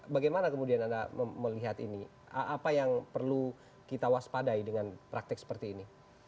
bagaimana kemudian anda melihat ini apa yang perlu kita waspadai dengan praktek seperti ini